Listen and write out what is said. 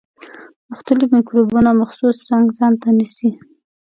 مختلف مکروبونه مخصوص رنګ ځانته نیسي.